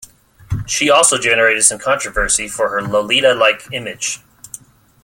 She also generated some controversy for her Lolita-like image.